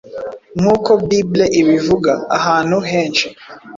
nkuko bible ibivuga ahantu henshi,